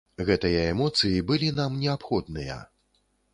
Гэтыя эмоцыі былі нам неабходныя.